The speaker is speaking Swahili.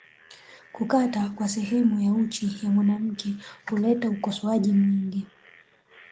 Kukata kwa sehemu ya uchi wa mwanamke huleta ukosoaji mwingi